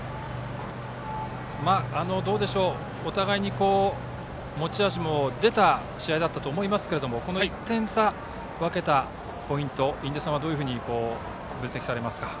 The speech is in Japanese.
お互いに持ち味も出た試合だったと思いますがこの１点差を分けたポイント印出さんはどう分析されますか。